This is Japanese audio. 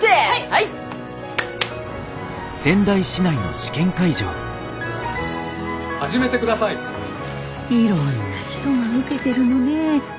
いろんな人が受けてるのねえ。